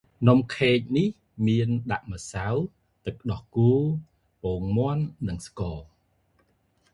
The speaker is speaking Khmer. នំខេកនេះមានដាក់ម្សៅ ទឹកដោះគោ ពងមាន់ និង ស្ករ។